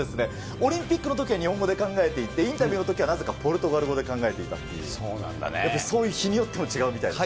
オリンピックのときは日本語で考えていて、インタビューのときは、なぜかポルトガル語で考えていたっていう、やっぱりそういう、日によっても違うみたいです。